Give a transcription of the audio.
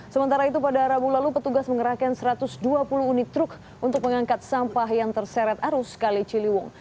sementara itu pada rabu lalu petugas mengerahkan satu ratus dua puluh unit truk untuk mengangkat sampah yang terseret arus kali ciliwung